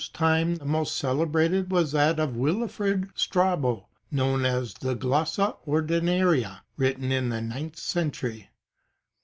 In the Lombard's time the most celebrated was that of Walafrid Strabo, known as the Glossa ordinaria, written in the ninth century.